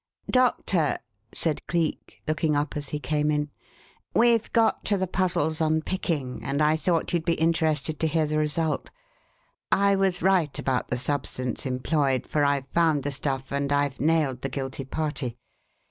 "Doctor," said Cleek, looking up as he came in, "we've got to the puzzle's unpicking, and I thought you'd be interested to hear the result. I was right about the substance employed, for I've found the stuff and I've nailed the guilty party.